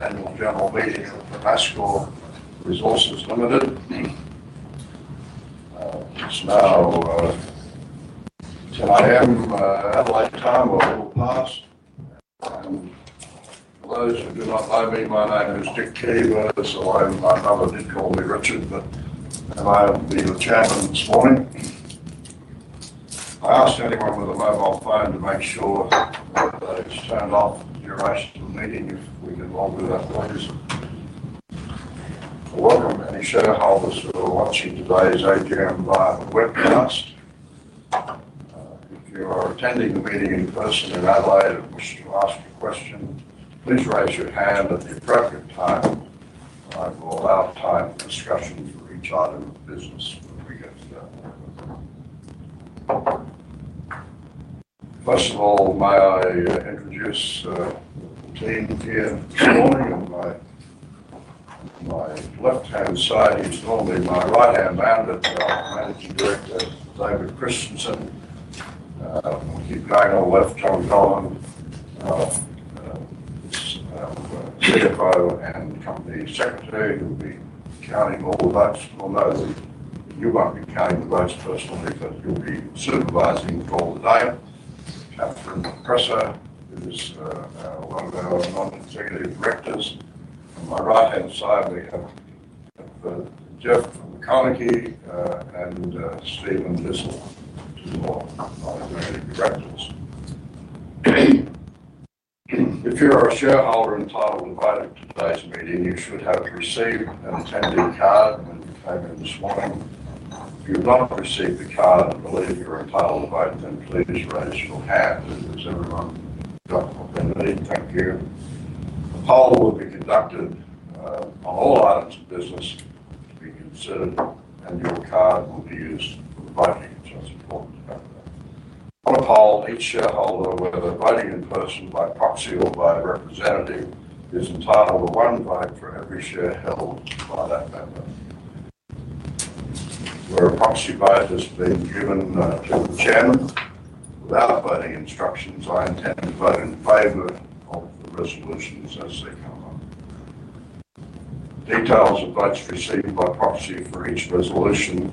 We will generally Renascor Resources Limited. I am at a late time, we'll pass. For those who do not know me, my name is Dick Keever, so my mother did call me Richard, but I'll be the Chairman this morning. I ask everyone with a mobile phone to make sure that it's turned off during the meeting, if we can all do that, please. Welcome, any shareholders who are watching today's AGM live webcast. If you are attending the meeting in person in Adelaide and wish to ask a question, please raise your hand at the appropriate time. I will allow time for discussion for each item of business when we get to that. First of all, may I introduce the team here this morning? On my left-hand side, he's normally my right-hand man, but Managing Director, David Christensen. I'll keep going on the left until I'm gone. This is our CFO and Company Secretary, who'll be counting all the votes. I know that you won't be counting the votes personally because you'll be supervising for all the day. Katherine Presser is one of our Non-Executive Directors. On my right-hand side, we have Jeff McConachy and Stephen Whistle, who are my Executive Directors. If you're a shareholder entitled to vote at today's meeting, you should have received an attendee card when you came in this morning. If you've not received the card and believe you're entitled to vote, then please raise your hand. Is everyone comfortable being ready? Thank you. The poll will be conducted on all items of business to be considered, and your card will be used for the voting. It is important to have that. One of all, each shareholder, whether voting in person, by proxy, or by representative, is entitled to one vote for every share held by that member. Where a proxy vote has been given to the Chairman, without voting instructions, I intend to vote in favor of the resolutions as they come up. Details of votes received by proxy for each resolution,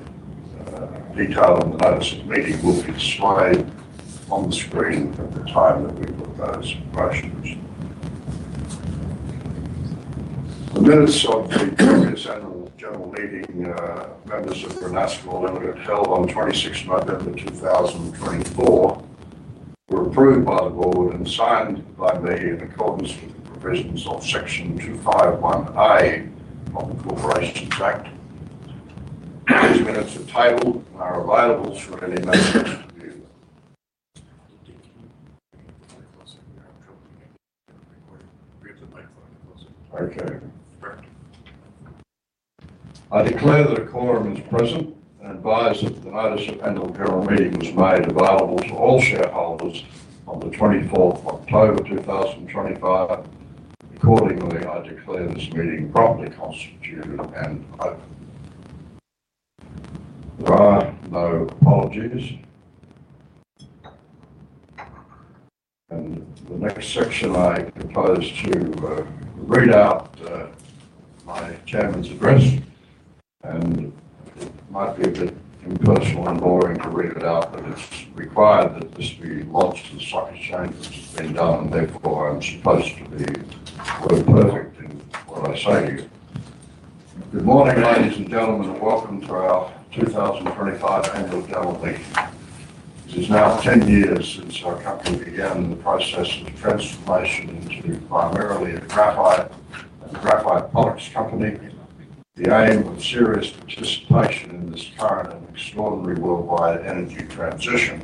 detailed in the notice of the meeting, will be displayed on the screen at the time that we propose the proposed resolutions. The minutes of the previous annual general meeting, members of Renascor Resources Limited, held on November 26, 2024, were approved by the board and signed by me in accordance with the provisions of Section 251A of the Corporations Act. These minutes are tabled and are available [for any members to view.] I declare that the quorum is present and advise that the notice of annual general meeting was made available to all shareholders on the October 24th, 2025. Accordingly, I declare this meeting properly constituted and open. There are no apologies. The next section, I propose to read out my chairman's address, and it might be a bit impersonal and boring to read it out, but it's required that this be lodged as such as changes have been done, and therefore I'm supposed to be perfect in what I say here. "Good morning, ladies and gentlemen, and welcome to our 2025 annual general meeting. It is now 10 years since our company began the process of transformation into primarily a graphite and graphite products company. The aim of serious participation in this current and extraordinary worldwide energy transition,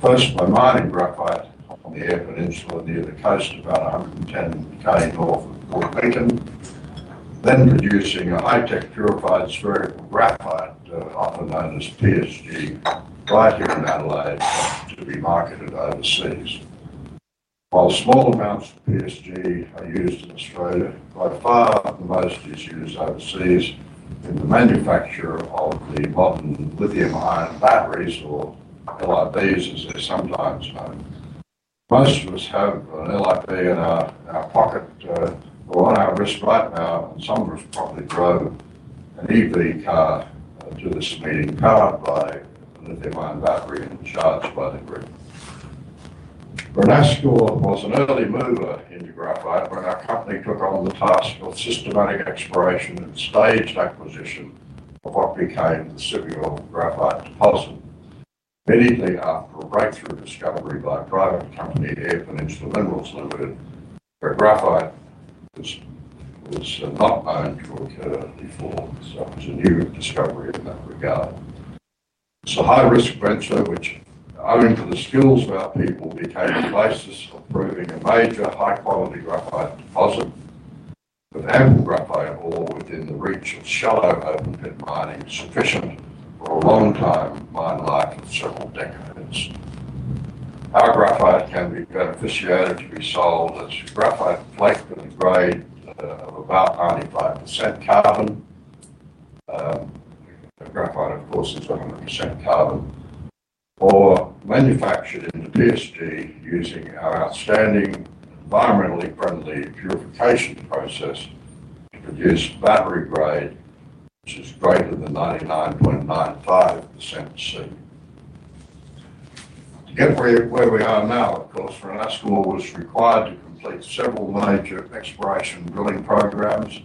first by mining graphite on the Eyre Peninsula near the coast, about 110 km north of Port Lincoln, then producing a high-tech purified spherical graphite, often known as PSG, right here in Adelaide, to be marketed overseas. While small amounts of PSG are used in Australia, by far the most is used overseas in the manufacture of the modern lithium-ion batteries, or LIBs, as they're sometimes known. Most of us have an LIB in our pocket or on our wrist right now, and some of us probably drove an EV car to this meeting, powered by a lithium-ion battery and charged by the grid. Renascor was an early mover into graphite when our company took on the task of systematic exploration and staged acquisition of what became the Siviour Graphite Deposit. Immediately after a breakthrough discovery by a private company, Earth Peninsula Minerals Limited, where graphite was not known to occur before, it was a new discovery in that regard. It is a high-risk venture which, owing to the skills of our people, became the basis of proving a major high-quality graphite deposit, with ample graphite ore within the reach of shallow open-pit mining sufficient for a long-time mine life of several decades. Our graphite can be beneficiated to be sold as graphite flake with a grade of about 95% carbon. Graphite, of course, is 100% carbon. Or manufactured into PSG using our outstanding environmentally friendly purification process to produce battery grade, which is greater than 99.95% carbon. To get where we are now, of course, Renascor was required to complete several major exploration drilling programs,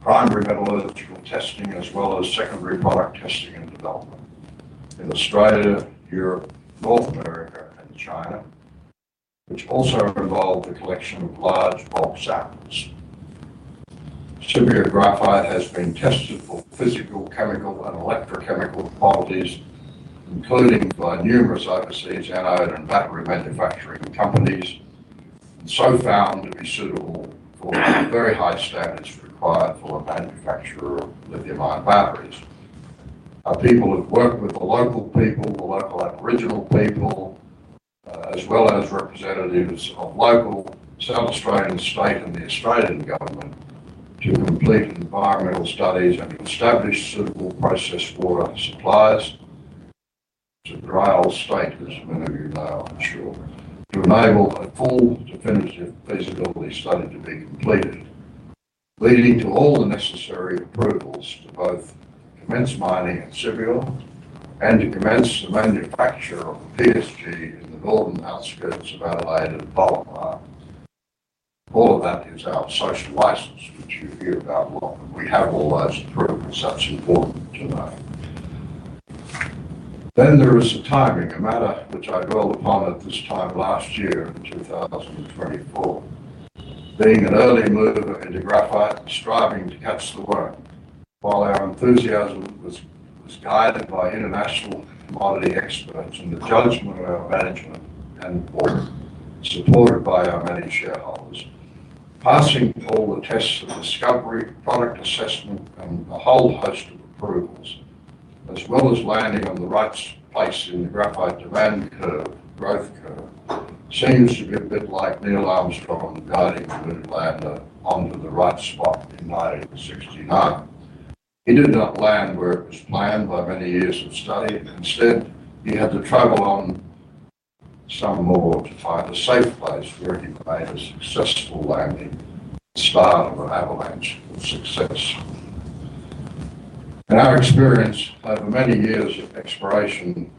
primary metallurgical testing, as well as secondary product testing and development in Australia, Europe, North America, and China, which also involved the collection of large bulk samples. Siviour graphite has been tested for physical, chemical, and electrochemical qualities, including by numerous overseas anode and battery manufacturing companies, and so found to be suitable [for very high standards required for a manufacturer of lithium-ion batteries]. Our people have worked with the local people, the local Aboriginal people, as well as representatives of local, South Australian state, and the Australian government to complete environmental studies and establish suitable process water supplies. It's a dry-old state, as many of you know, I'm sure, to enable a full definitive feasibility study to be completed, leading to all the necessary approvals to both commence mining at Siviour and to commence the manufacture of PSG in the northern outskirts of Adelaide and Balapar. All of that is our social license, which you [hear about a lot, and we have all those approved, and that's important to know.]" There is the timing, a matter which I dwelled upon at this time last year in 2024, being an early mover into graphite and striving to catch the work, while our enthusiasm was guided by international commodity experts and the judgment of our management and supported by our many shareholders, passing all the tests of discovery, product assessment, and a whole host of approvals, as well as landing on the right place in the graphite demand curve, growth curve, seems to be a bit like Neil Armstrong guiding a blue ladder onto the right spot in 1969. He did not land where it was planned by many years of study. Instead, he had to travel on some more to find a safe place where he made a successful landing at the start of an avalanche of success. In our experience over many years of exploring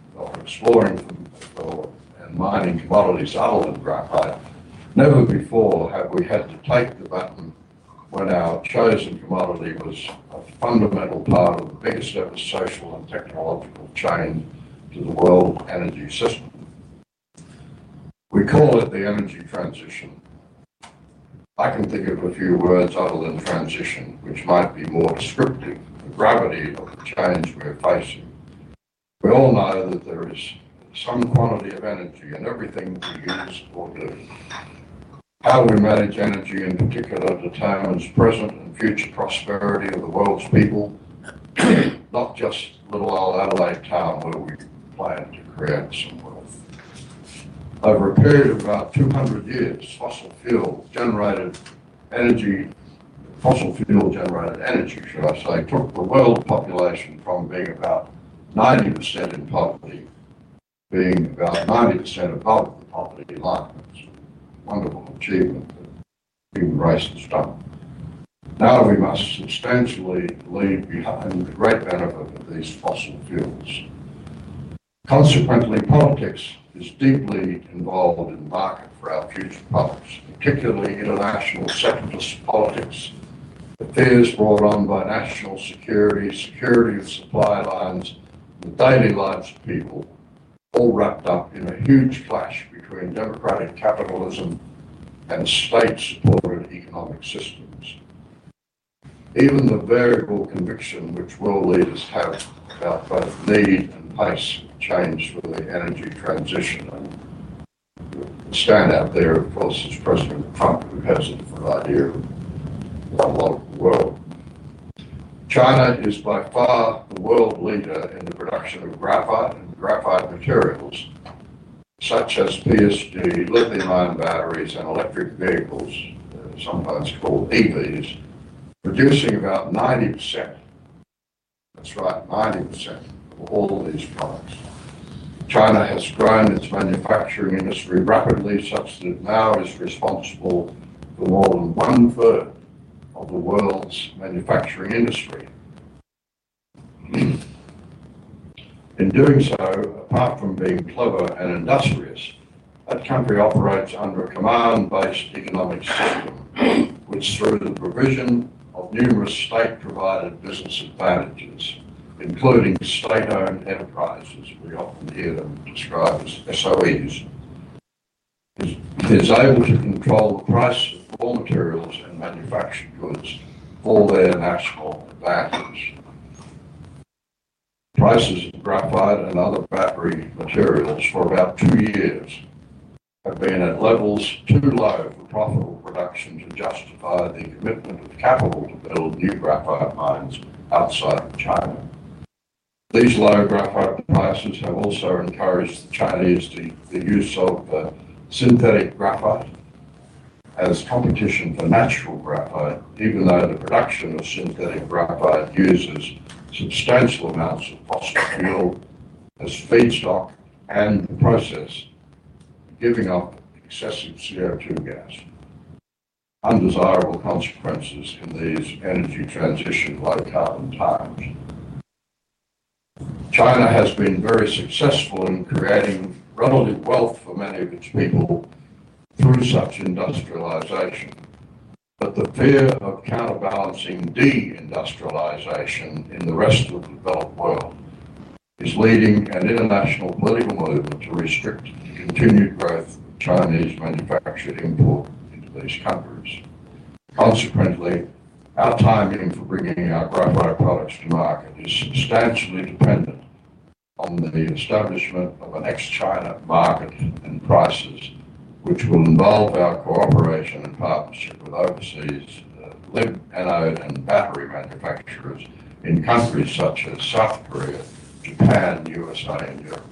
and mining commodities other than graphite, never before have we had to take the button when our chosen commodity was a fundamental part of the biggest ever social and technological change to the world energy system. We call it the energy transition. I can think of a few words other than transition, which might be more descriptive of the gravity of the change we're facing. We all know that there is some quantity of energy in everything we use or do. How we manage energy, in particular, determines present and future prosperity of the world's people, not just little old Adelaide town where we plan to create some wealth. Over a period of about 200 years, fossil fuel-generated energy, fossil fuel-generated energy, should I say, took the world population from being about 90% in poverty to being about 90% above the poverty line. It's a wonderful achievement that human race has done. Now we must substantially leave behind the great benefit of these fossil fuels. Consequently, politics is deeply involved in the market for our future products, particularly international sector politics, affairs brought on by national security, security of supply lines, and the daily lives of people, all wrapped up in a huge clash between democratic capitalism and state-supported economic systems. Even the variable conviction which world leaders have about both need and pace of change for the energy transition, and the standout there, of course, is President Trump, who has a different idea than a lot of the world. China is by far the world leader in the production of graphite and graphite materials, such as PSG, lithium-ion batteries, and electric vehicles, sometimes called EVs, producing about 90%, that's right, 90% of all these products. China has grown its manufacturing industry rapidly, such that it now is responsible for more than 1/3 of the world's manufacturing industry. In doing so, apart from being clever and industrious, that country operates under a command-based economic system, which, through the provision of numerous state-provided business advantages, including state-owned enterprises, we often hear them described as SOEs, is able to control the price of raw materials and manufactured [goods for their national advantage]. Prices of graphite and other battery materials for about two years have been at levels too low for profitable production to justify the commitment of capital to build new graphite mines outside of China. These low graphite prices have also encouraged the Chinese to use synthetic graphite as competition for natural graphite, even though the production of synthetic graphite uses substantial amounts of fossil fuel as feedstock and the process, giving up excessive CO2 gas, undesirable consequences in these energy transition low-carbon times. China has been very successful in creating relative wealth for many of its people through such industrialisation, but the fear of counterbalancing de-industrialisation in the rest of the developed world is leading an international political movement to restrict the continued growth of Chinese manufactured import into these countries. Consequently, our timing for bringing our graphite products to market is substantially dependent on the establishment of an ex-China market and prices, which will involve our cooperation and partnership with overseas anode and battery manufacturers in countries such as South Korea, Japan, the U.S., and Europe.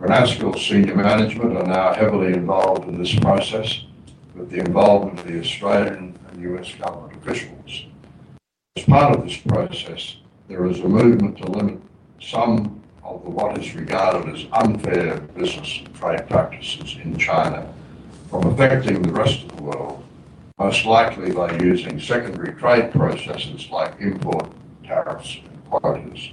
Renascor's senior management are now heavily involved in this process with the involvement of the Australian and U.S. government officials. As part of this process, there is a movement to limit some of what is regarded as unfair business and trade practices in China from affecting the rest of the world, most likely by using secondary trade processes like import tariffs and quotas.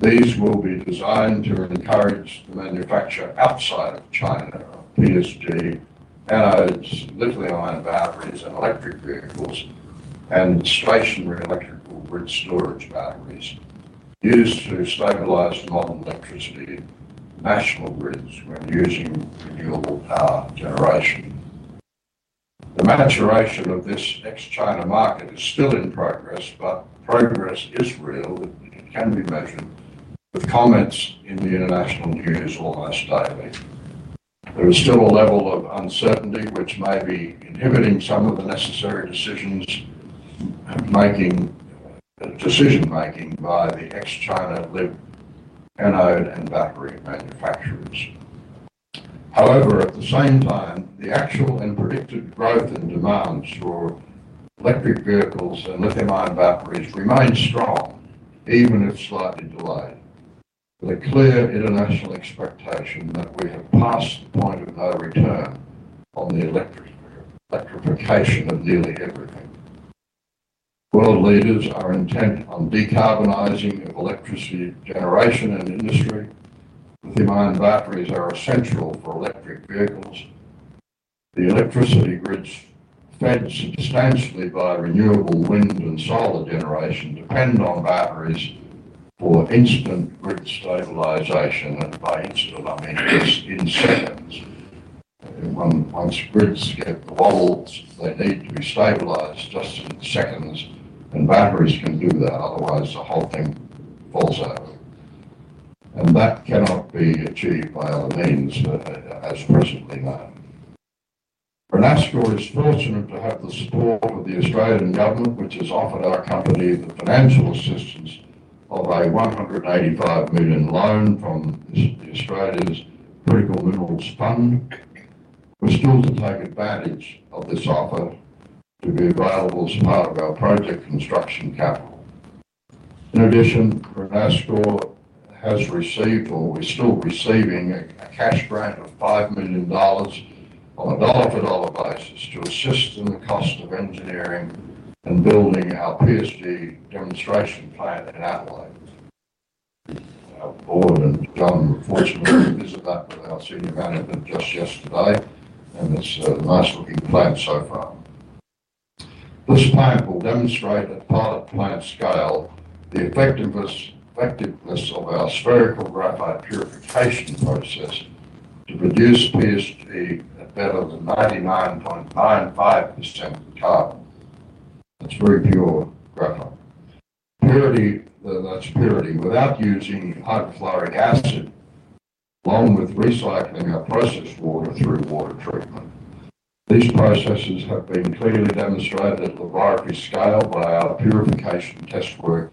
These will be designed to encourage the manufacture outside of China of PSG, anodes, lithium-ion batteries, and electric vehicles, and stationary electrical grid storage batteries used to stabilize modern electricity and national grids when using renewable power generation. The maturation of this ex-China market is still in progress, but progress is real and can be measured with comments in the international news almost daily. There is still a level of uncertainty which may be inhibiting some of the necessary decisions and decision-making by the ex-China anode and battery manufacturers. However, at the same time, the actual and predicted growth in demand for electric vehicles and lithium-ion batteries remains strong, even if slightly delayed, with a clear international expectation that we have passed the point of no return on the electrification of nearly everything. World leaders are intent on decarbonizing electricity generation and industry. Lithium-ion batteries are essential for electric vehicles. The electricity grids fed substantially by renewable wind and solar generation depend on batteries for instant grid stabilization, and by instant, I mean just in seconds. Once grids get wobbled, they need to be stabilized just in seconds, and batteries can do that; otherwise, the whole thing falls over. That cannot be achieved by other means, as presently known. Renascor is fortunate to have the support of the Australian government, which has offered our company the financial assistance of an 185 million loan from Australia's Critical Minerals Fund. We're still to take advantage of this offer to be available as part of our project construction capital. In addition, Renascor has received, or we're still receiving, a cash grant of 5 million dollars on a dollar-for-dollar basis to assist in the cost of engineering and building our PSG demonstration plant in Adelaide. Our board and John were fortunate to visit that with our senior management just yesterday, and it's a nice-looking plant so far. This plant will demonstrate at pilot plant scale the effectiveness of our spherical graphite purification process to produce PSG at better than 99.95% carbon. That's very pure graphite. Purity, that's purity, without using hydrochloric acid, along with recycling our processed water through water treatment. These processes have been clearly demonstrated at the varying scale by our purification test work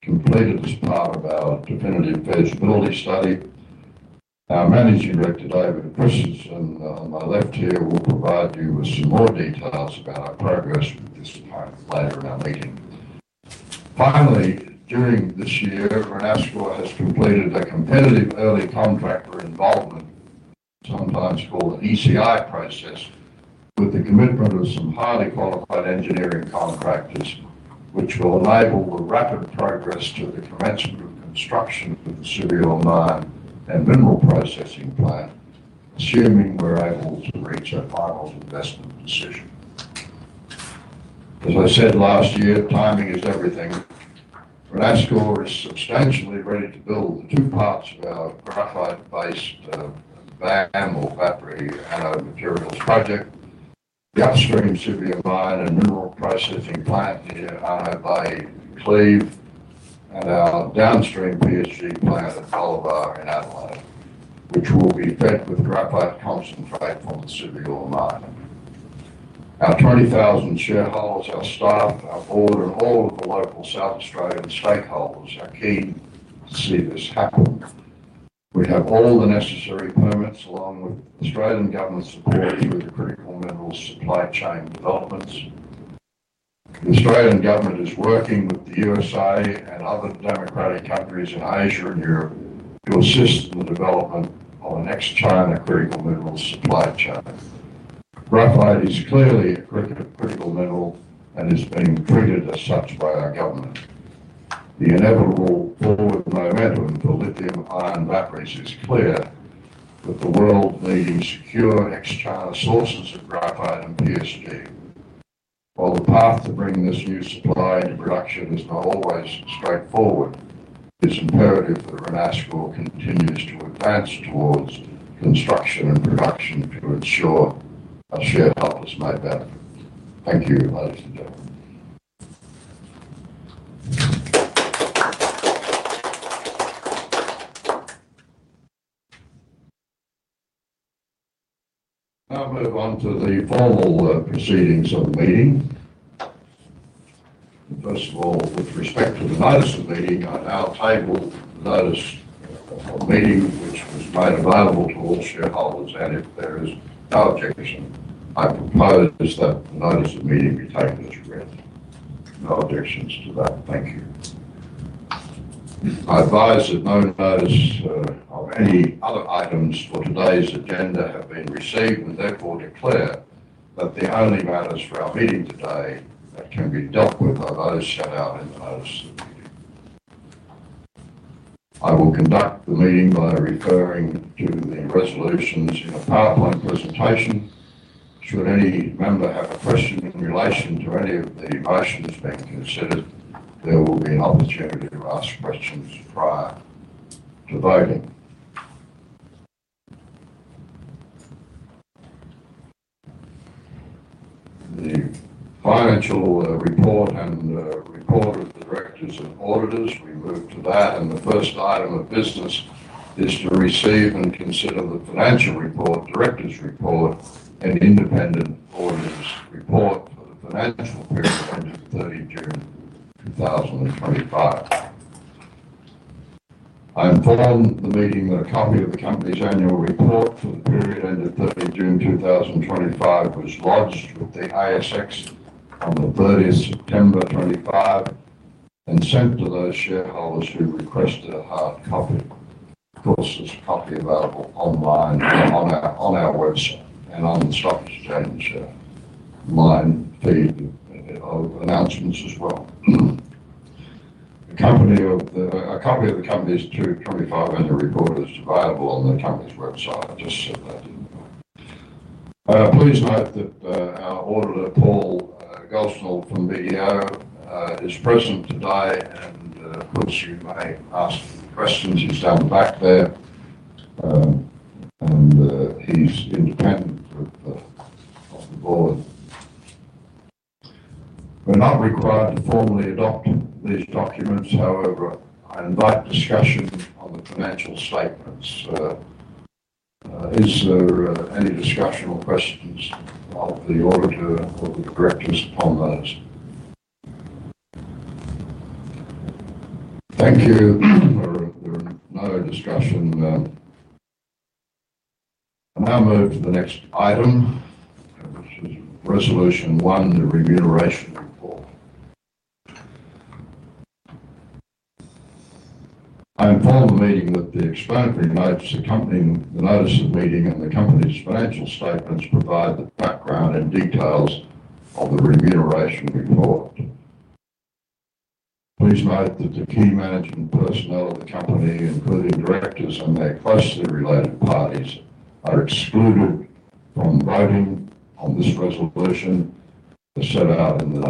completed as part of our definitive feasibility study. Our Managing Director, David Christensen, on my left here, will provide you with some more details about our progress with this plant later in our meeting. Finally, during this year, Renascor has completed a competitive early contractor involvement, sometimes called an ECI process, with the commitment of some highly qualified engineering contractors, which will enable the rapid progress to the commencement of construction for the Siviour mine and mineral processing plant, assuming we're able to reach a final investment decision. As I said last year, timing is everything. Renascor is substantially ready to build the two parts of our graphite-based BAM, or battery anode materials project, the upstream Siviour mine and mineral processing plant near Arno Bay in Cleve, and our downstream PSG plant at Bolivar in Adelaide, which will be fed with graphite concentrate from the Siviour mine. Our 20,000 shareholders, our staff, our board, and all of the local South Australian stakeholders are keen to see this happen. We have all the necessary permits along with Australian government support through the critical minerals supply chain developments. The Australian government is working with the U.S.A. and other democratic countries in Asia and Europe to assist in the development of an ex-China critical minerals supply chain. Graphite is clearly a critical mineral and is being treated as such by our government. The inevitable forward momentum for lithium-ion batteries is clear, with the world needing secure ex-China sources of graphite and PSG. While the path to bringing this new supply into production is not always straightforward, it is imperative that Renascor continues to advance towards construction and production [to ensure our shareholders may benefit. Thank you, ladies and gentlemen]. Now I'll move on to the formal proceedings of the meeting. First of all, with respect to the notice of meeting, I now table the notice of meeting, which was made available to all shareholders, and if there is no objection, I propose that the notice of meeting be taken as read. No objections to that. Thank you. I advise that no notice of any other items for today's agenda have been received and therefore declare that the only matters for our meeting today that can be dealt with are those set out in the notice of meeting. I will conduct the meeting by referring to the resolutions in a PowerPoint presentation. Should any member have a question in relation to any of the motions being considered, there will be an opportunity to ask questions prior to voting. The financial report and report of the directors and auditors, we move to that, and the first item of business is to receive and consider the financial report, directors' report, and independent auditor's report for the financial period ending June 30, 2025. I inform the meeting that a copy of the company's annual report for the period ending June 30, 2025 was lodged with the ASX on the September 30th, 2025 and sent to those shareholders who requested a hard copy. Of course, there's a copy available online on our website and on the stock exchange mine feed announcements as well. A copy of the company's 2025 annual report is available on the company's website. I just said that in the meeting. Please note that our auditor, Paul Gosnell from BDO, is present today, and of course you may ask questions. He's down the back there, [and he's independent of the board]. We're not required to formally adopt these documents. However, I invite discussion on the financial statements. Is there any discussion or questions of the auditor or the directors upon those? Thank you. There is no discussion. I now move to the next item, which is Resolution 1, the [remuneration report]. I inform the meeting that the explanatory notice accompanying the notice of meeting and the company's financial statements provide the background and details of the remuneration report. Please note that the key management personnel of the company, including directors and their closely related parties, are excluded from voting on this resolution set out in the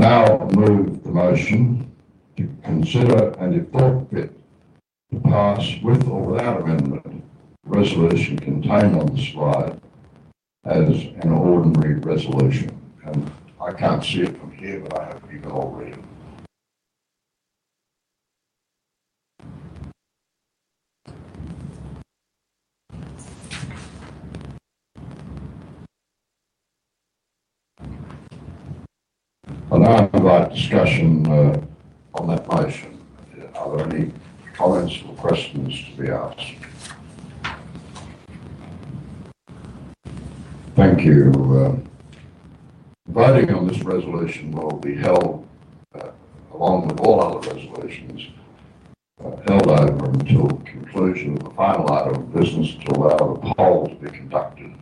notice of meeting. I now move the motion to consider and, if appropriate, to pass with or without amendment the resolution contained on the slide as an ordinary resolution. I can't see it from here, but I have an email read. I now invite discussion on that motion. Are there any comments or questions to be asked? Thank you. Voting on this resolution will be held, along with all other resolutions, held over until the conclusion of the final item of business to allow the poll to be conducted.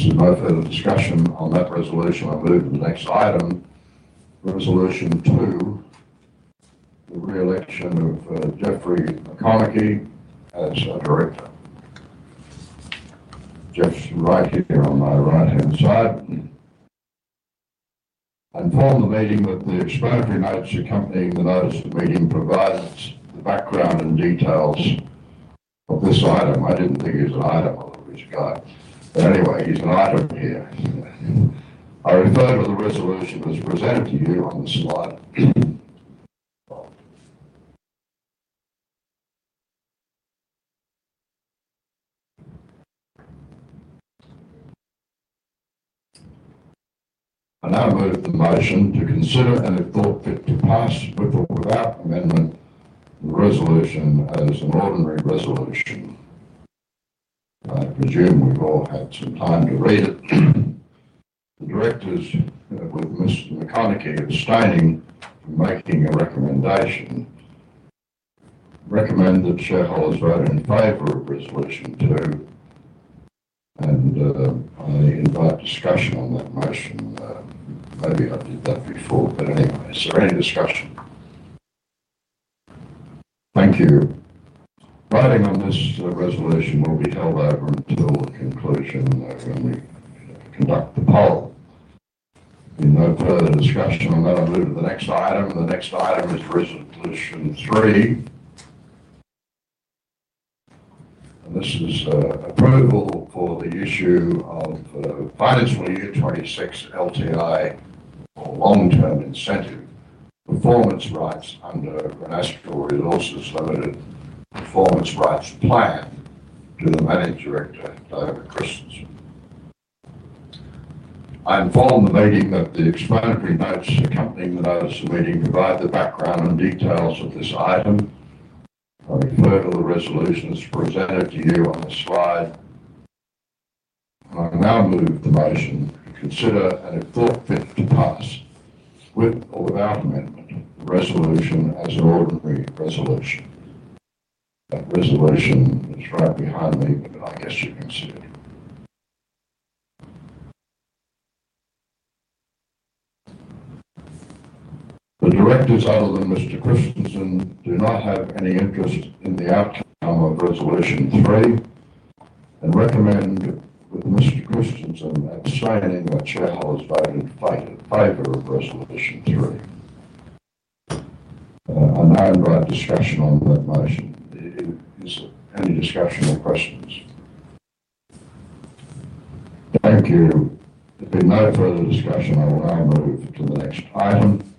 Since there's no further discussion on that resolution, I move to the next item, Resolution 2, the re-election of Jeff McConachy as a director. Jeff's right here on my right-hand side. I inform the meeting that the explanatory notice accompanying the notice of meeting provides the background and details of this item. I didn't think he was an item, although he's a guy. Anyway, he's an item here. I refer to the resolution as presented to you on the slide. I now move the motion to consider and, if appropriate, to pass with or without amendment the resolution as an ordinary resolution. I presume we've all had some time to read it. The directors, with Mr. McConachy abstaining from making a recommendation, recommend that shareholders vote in favor of Resolution 2, and I invite discussion on that motion. Maybe I did that before, but anyway, is there any discussion? Thank you. Voting on this resolution will be held over until the conclusion when we conduct the poll. There is no further discussion. I will now move to the next item. The next item is Resolution 3. This is approval for the issue of Financial Year 2026 LTI or long-term incentive performance rights under Renascor Resources Limited Performance Rights Plan to the Managing Director, David Christensen. I inform the meeting that the explanatory notice accompanying the notice of meeting provides the background and details of this item. I refer to the resolution as presented to you on the slide. I now move the motion to consider and, if appropriate, to pass with or without amendment the resolution as an ordinary resolution. That resolution is right behind me, but I guess you can see it. The directors, other than Mr. Christensen, do not have any interest in the outcome of Resolution 3 and recommend, with Mr. Christensen abstaining, that shareholders vote in favor of Resolution 3. I now invite discussion on that motion. Is there any discussion or questions? Thank you. If there's no further discussion, I will now move to the next item.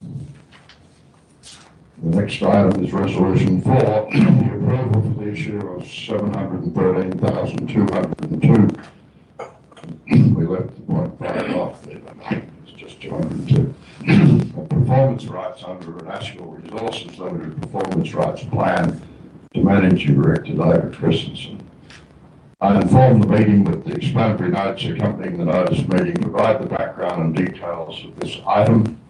The next item is [Resolution 4, the approval for the issue of 713,202. We left the point right off the item; it's just 202. Performance rights under Renascor] Resources Limited Performance Rights Plan to Managing Director, David Christensen. I inform the meeting that the explanatory notice accompanying the notice of meeting provides the background and details of this item.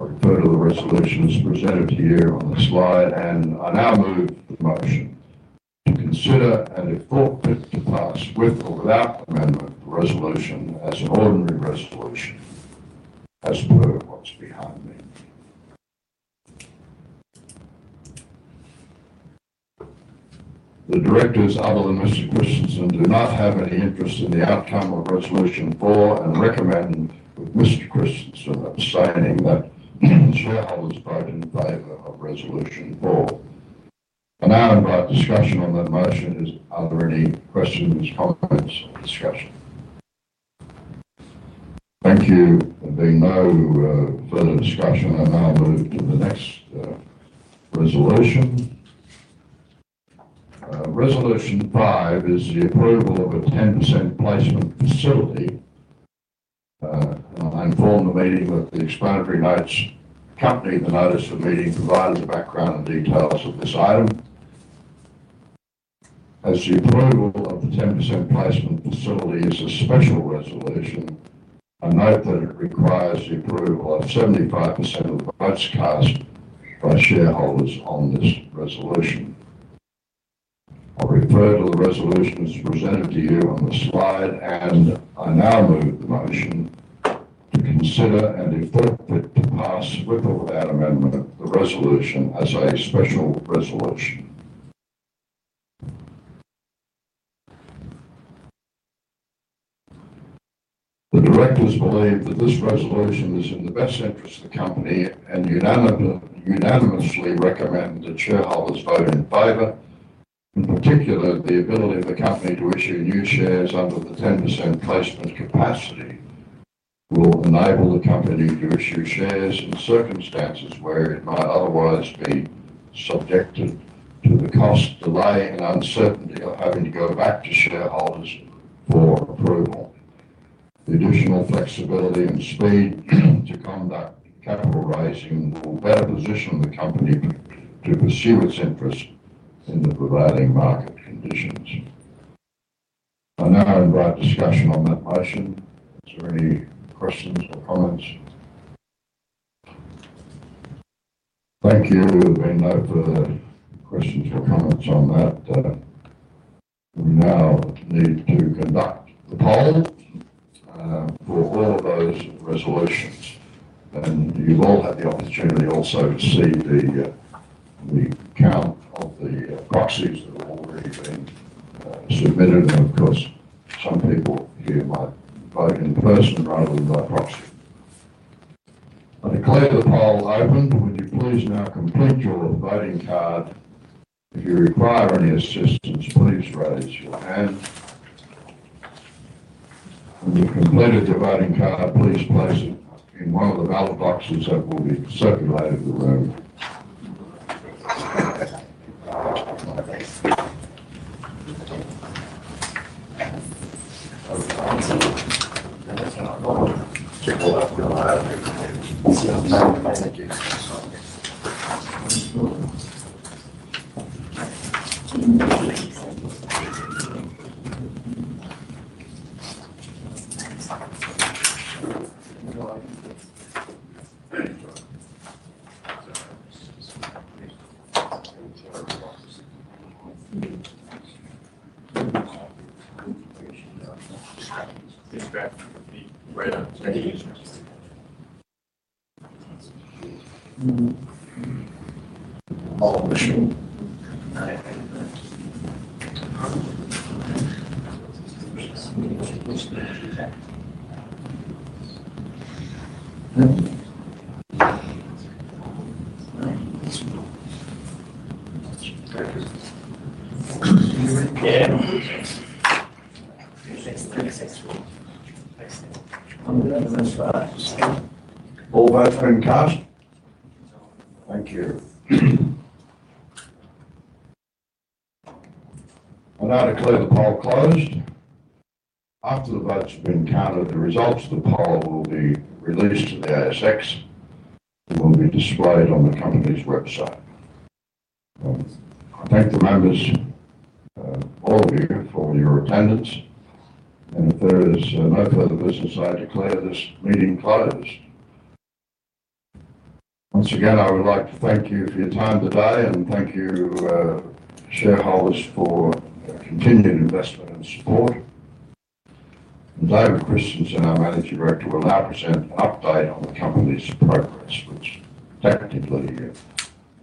I refer to the resolutions presented to you on the slide, and I now move the motion to consider and, if appropriate, to pass with or without amendment the resolution as an ordinary resolution. As per what's behind me. The Directors, other than Mr. Christensen, do not have any interest in the outcome of Resolution 4 and recommend, with Mr. Christensen abstaining, that shareholders vote in favor of Resolution 4. I now invite discussion on that motion. Are there any questions, comments, or discussion? Thank you. There being no further discussion, I now move to the next resolution. Resolution 5 is the approval of a 10% placement facility. I inform the meeting that the explanatory notice accompanying the notice of meeting provides the background and details of this item. As the approval of the 10% placement facility is a special resolution, I note that it requires the approval of 75% of the votes cast by shareholders on this resolution. I refer to the resolutions presented to you on the slide, and I now move the motion to consider and, if appropriate, to pass with or without amendment the resolution as a special resolution. The directors believe that this resolution is in the best interest of the company and unanimously recommend that shareholders vote in favour. In particular, the ability of the company to issue new shares under the 10% placement capacity will enable the company to issue shares in circumstances where it might otherwise be subjected to the cost, delay, and uncertainty of having to go back to shareholders for approval. The additional flexibility and speed to conduct capital raising will better position the company to pursue its interests in the providing market conditions. I now invite discussion on that motion. Is there any questions or comments? Thank you. There being no further [questions or comments on that, we now need to conduct the poll] for all of those resolutions. You have all had the opportunity also to see the count of the proxies that have already been submitted. Of course, some people here might vote in person rather than by proxy. I declare the poll open. Would you please now complete your voting card? If you require any assistance, please raise your hand. When you have completed your voting card, please place it in one of the ballot boxes that will be circulated around. All votes have been cast. Thank you. I now declare the poll closed. After the votes have been counted, the results of the poll will be released to the ASX and will be displayed on the company's website. I thank the members, all of you, for your attendance. If there is no further business, I declare this meeting closed. Once again, I would like to thank you for your time today and thank you, shareholders, for continued investment and support. David Christensen, our Managing Director, will now present an update on the company's progress, which technically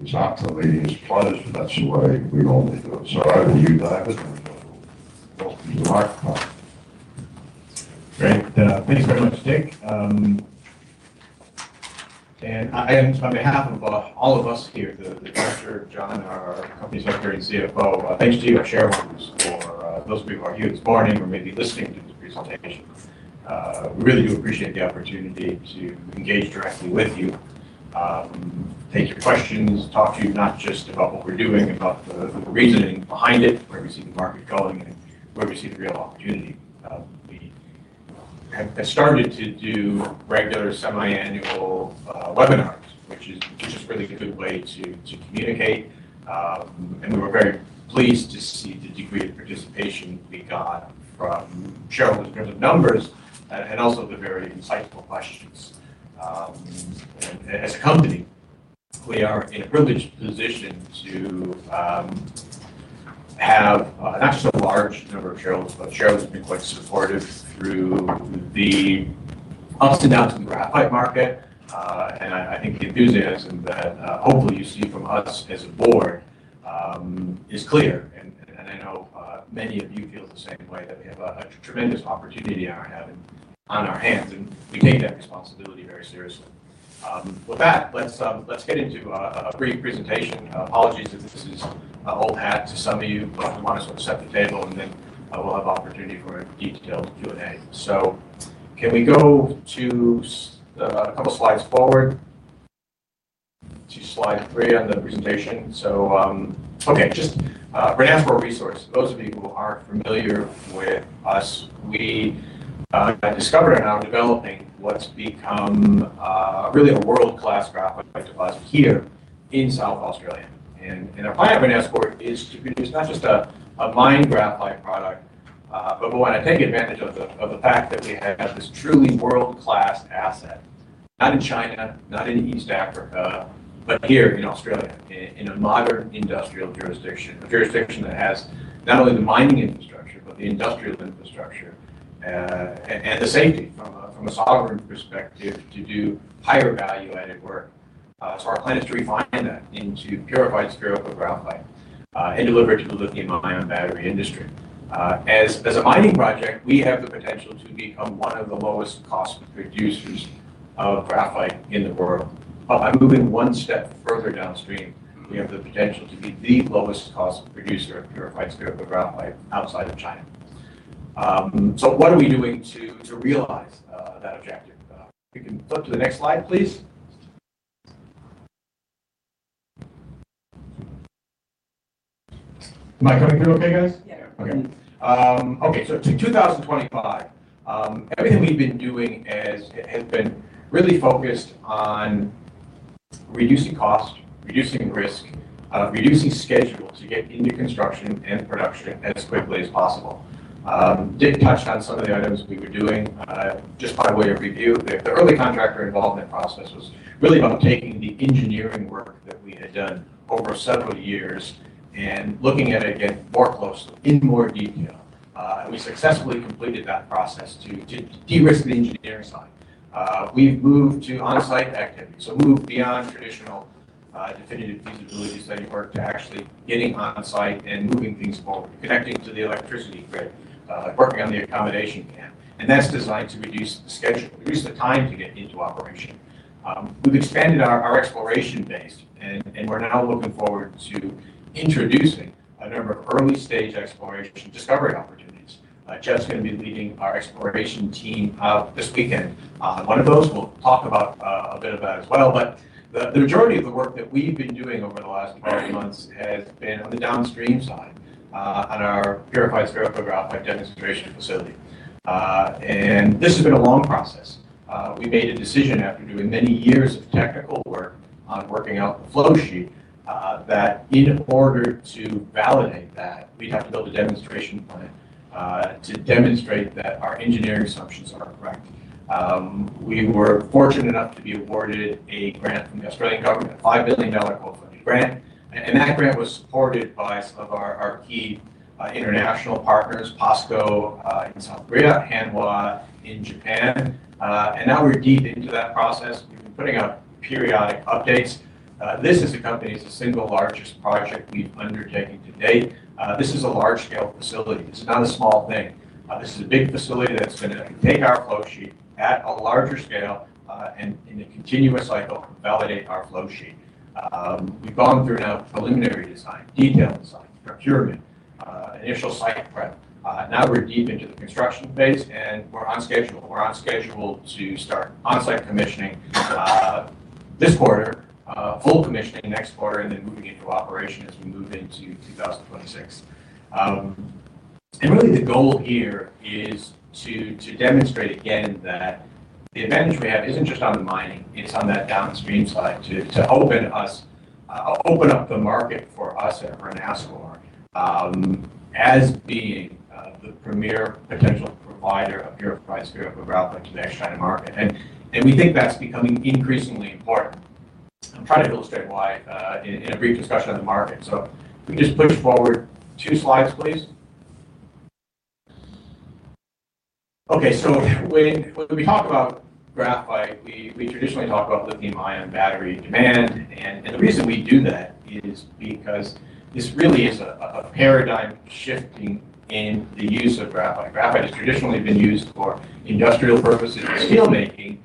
is after the meeting is closed, but that is the way we normally do it. Over to you, David, and welcome to the microphone. Great. Thanks very much, Dick. On behalf of all of us here, the directors, John, our company's outgoing CFO, thanks to you, our shareholders, for those of you who are here this morning or maybe listening to this presentation. We really do appreciate the opportunity to engage directly with you, take your questions, talk to you not just about what we're doing, about the reasoning behind it, where we see the market going and where we see the real opportunity. We have started to do regular semi-annual webinars, which is just a really good way to communicate. We were very pleased to see the degree of participation we got from shareholders in terms of numbers and also the very insightful questions. As a company, we are in a privileged position to have not just a large number of shareholders, but shareholders have been quite supportive through the ups and downs of the graphite market. I think the enthusiasm that hopefully you see from us as a board is clear. I know many of you feel the same way, that we have a tremendous opportunity on our hands, and we take that responsibility very seriously. With that, let's get into a brief presentation. Apologies if this is an old hat to some of you, but I want to sort of set the table, and then we'll have the opportunity for a detailed Q&A. Can we go a couple of slides forward to slide three on the presentation? Okay, just Renascor Resources. For those of you who aren't familiar with us, we discovered and are developing what's become really a world-class graphite deposit here in South Australia. Our plan at Renascor is to produce not just a mine graphite product, but we want to take advantage of the fact that we have this truly world-class asset, not in China, not in East Africa, but here in Australia, in a modern industrial jurisdiction, a jurisdiction that has not only the mining infrastructure but the industrial infrastructure and the safety from a sovereign perspective to do higher value-added work. Our plan is to refine that into purified spherical graphite and deliver it to the lithium-ion battery industry. As a mining project, we have the potential to become one of the lowest-cost producers of graphite in the world. By moving one step further downstream, we have the potential to be the lowest-cost producer of purified spherical graphite outside of China. What are we doing to realise that objective? If we can flip to the next slide, please. Am I coming through okay, guys? Yeah. Okay. To 2025, everything we've been doing has been really focused on reducing cost, reducing risk, reducing schedules to get into construction and production as quickly as possible. Dick touched on some of the items we were doing just by way of review. The early contractor involvement process was really about taking the engineering work that we had done over several years and looking at it again more closely, in more detail. We successfully completed that process to de-risk the engineering side. We've moved to on-site activities. We moved beyond traditional definitive feasibility study work to actually getting on-site and moving things forward, connecting to the electricity grid, working on the accommodation camp. That is designed to reduce the schedule, reduce the time to get into operation. We've expanded our exploration base, and we're now looking forward to introducing a number of early-stage exploration discovery opportunities. Jeff's going to be leading our exploration team this weekend. One of those we'll talk a bit about as well. The majority of the work that we've been doing over the last 12 months has been on the downstream side on our purified spherical graphite demonstration facility. This has been a long process. We made a decision after doing many years of technical work on working out the flow sheet that in order to validate that, we'd have to build a demonstration plant to demonstrate that our engineering assumptions are correct. We were fortunate enough to be awarded a grant from the Australian government, an 5 million dollar co-funded grant. That grant was supported by some of our key international partners, POSCO in South Korea, Hanwha in Japan. Now we're deep into that process. We've been putting out periodic updates. This is the company's single largest project we've undertaken to date. This is a large-scale facility. This is not a small thing. This is a big facility that's going to take our flow sheet at a larger scale and in a continuous cycle validate our flow sheet. We've gone through now preliminary design, detailed design, procurement, initial site prep. Now we're deep into the construction phase, and we're on schedule. We're on schedule to start on-site commissioning this quarter, full commissioning next quarter, and then moving into operation as we move into 2026. Really, the goal here is to demonstrate again that the advantage we have isn't just on the mining. It's on that downstream side to open up the market for us at Renascor as being the premier potential provider of purified spherical graphite to the exchange market. We think that's becoming increasingly important. I'll try to illustrate why in a brief discussion of the market. If we can just push forward two slides, please. Okay. When we talk about graphite, we traditionally talk about lithium-ion battery demand. The reason we do that is because this really is a paradigm shifting in the use of graphite. Graphite has traditionally been used for industrial purposes and steelmaking.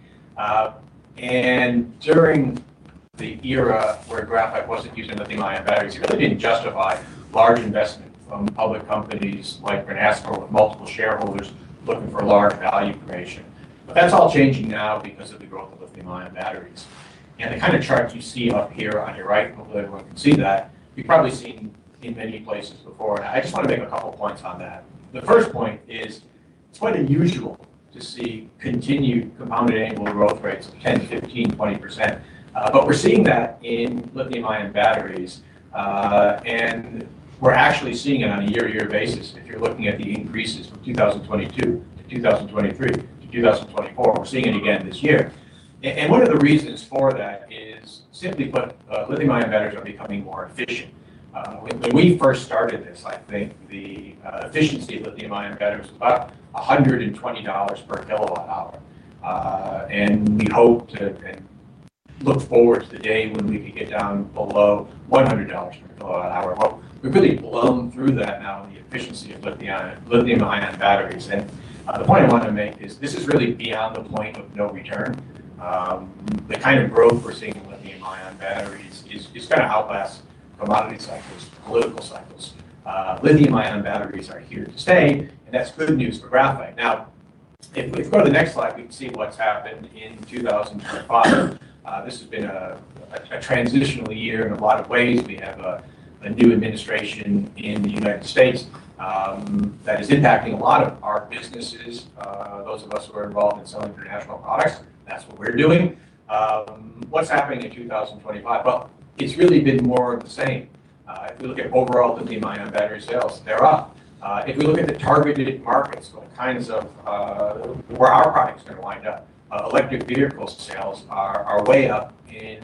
During the era where graphite wasn't used in lithium-ion batteries, it really didn't justify large investment from public companies like Renascor with multiple shareholders looking for large value creation. That's all changing now because of the growth of lithium-ion batteries. The kind of chart you see up here on your right, hopefully everyone can see that, you've probably seen in many places before. I just want to make a couple of points on that. The first point is it's quite unusual to see continued compounded annual growth rates of 10%, 15%, 20%. We're seeing that in lithium-ion batteries, and we're actually seeing it on a year-to-year basis. If you're looking at the increases from 2022 to 2023 to 2024, we're seeing it again this year. One of the reasons for that is, simply put, lithium-ion batteries are becoming more efficient. When we first started this, I think the efficiency of lithium-ion batteries was about $120 per kilowatt-hour. We hope to look forward to the day when we could get down below $100 per kilowatt-hour. We've really blown through that now in the efficiency of lithium-ion batteries. The point I want to make is this is really beyond the point of no return. The kind of growth we're seeing in lithium-ion batteries is going to outlast commodity cycles, political cycles. Lithium-ion batteries are here to stay, and that's good news for graphite. If we go to the next slide, we can see what's happened in 2025. This has been a transitional year in a lot of ways. We have a new administration in the United States that is impacting a lot of our businesses, those of us who are involved in selling international products. That's what we're doing. What's happening in 2025? It's really been more of the same. If we look at overall lithium-ion battery sales, they're up. If we look at the targeted markets, what kinds of where our product is going to wind up, electric vehicle sales are way up in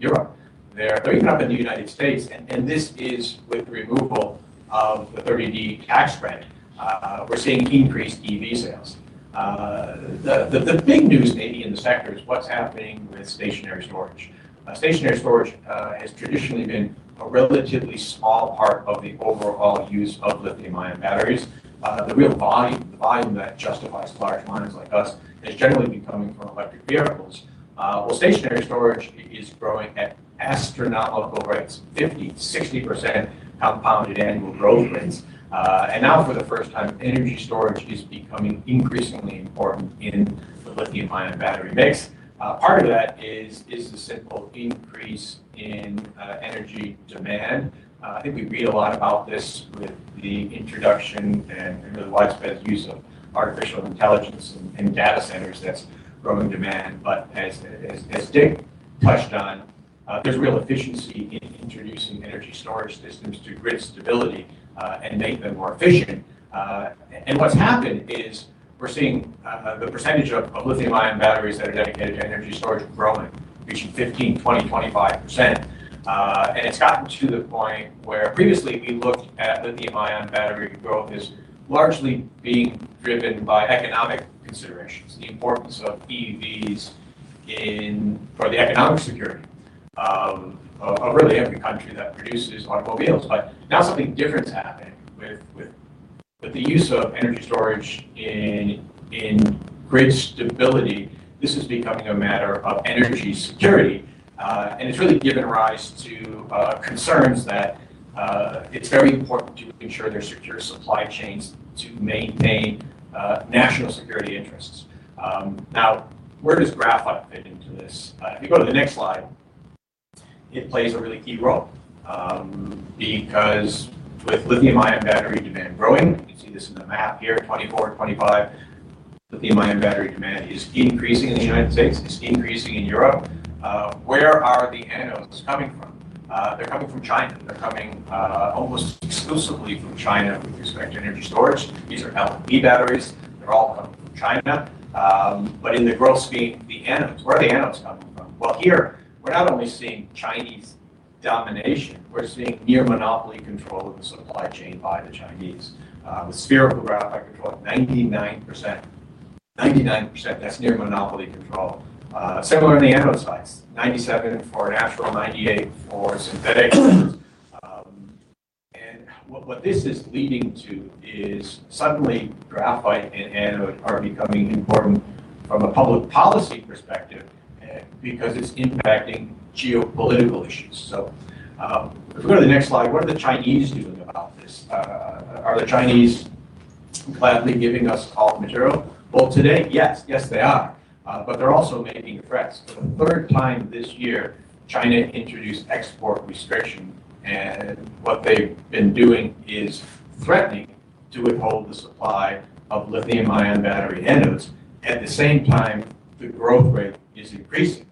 Europe. They're even up in the United States. This is with the removal of the 30D tax credit. We're seeing increased EV sales. The big news maybe in the sector is what's happening with stationary storage. Stationary storage has traditionally been a relatively small part of the overall use of lithium-ion batteries. The real volume that justifies large mines like us has generally been coming from electric vehicles. Stationary storage is growing at astronomical rates, 50%-60% compounded annual growth rates. Now, for the first time, energy storage is becoming increasingly important in the lithium-ion battery mix. Part of that is the simple increase in energy demand. I think we read a lot about this with the introduction and really widespread use of artificial intelligence and data centers. That is growing demand. As Dick touched on, there is real efficiency in introducing energy storage systems to grid stability and making them more efficient. What has happened is we are seeing the percentage of lithium-ion batteries that are dedicated to energy storage growing, reaching 15%, 20%, 25%. It has gotten to the point where previously we looked at lithium-ion battery growth as largely being driven by economic considerations, the importance of EVs for the economic security of really every country that produces automobiles. Now something different is happening with the use of energy storage in grid stability. This is becoming a matter of energy security. It has really given rise to concerns that it is very important to ensure there are secure supply chains to maintain national security interests. Now, where does graphite fit into this? If you go to the next slide, it plays a really key role because with lithium-ion battery demand growing, you can see this in the map here, 2024, 2025, lithium-ion battery demand is increasing in the United States. It's increasing in Europe. Where are the anodes coming from? They're coming from China. They're coming almost exclusively from China with respect to energy storage. These are LIB batteries. They're all coming from China. In the growth scheme, the anodes, where are the anodes coming from? Here, we're not only seeing Chinese domination. We're seeing near monopoly control of the supply chain by the Chinese. With spherical graphite control, 99%. 99%, that's near monopoly control. Similar in the anode sides, 97% for natural, 98% for synthetic. What this is leading to is suddenly graphite and anode are becoming important from a public policy perspective because it is impacting geopolitical issues. If we go to the next slide, what are the Chinese doing about this? Are the Chinese gladly giving us all the material? Today, yes. Yes, they are. They are also making threats. For the third time this year, China introduced export restrictions. What they have been doing is threatening to withhold the supply of lithium-ion battery anodes. At the same time, the growth rate is increasing.